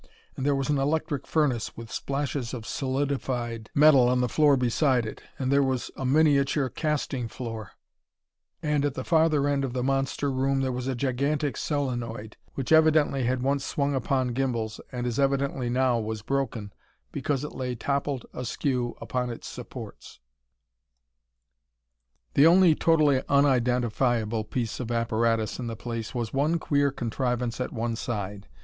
And there was an electric furnace, with splashes of solidified metal on the floor beside it, and there was a miniature casting floor, and at the farther end of the monster room there was a gigantic solenoid which evidently had once swung upon gymbals and as evidently now was broken, because it lay toppled askew upon its supports. The only totally unidentifiable piece of apparatus in the place was one queer contrivance at one side.